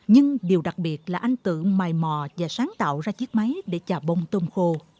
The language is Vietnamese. nhưng điều đặc biệt là anh tự mài mò và sáng tạo ra chiếc máy để chà bông tôm khô